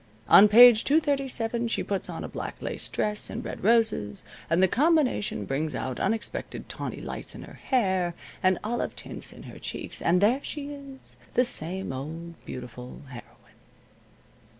On Page 237 she puts on a black lace dress and red roses, and the combination brings out unexpected tawny lights in her hair, and olive tints in her cheeks, and there she is, the same old beautiful heroine.